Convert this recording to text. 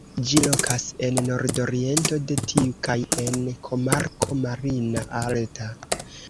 Ĝi lokas en nordoriento de tiu kaj en komarko "Marina Alta".